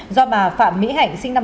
do bà phạm mỹ hạnh sinh năm hai nghìn bốn